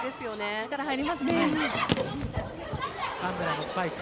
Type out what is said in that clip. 力が入りますね。